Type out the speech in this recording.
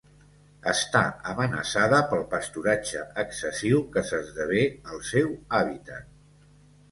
Està amenaçada pel pasturatge excessiu que s'esdevé al seu hàbitat.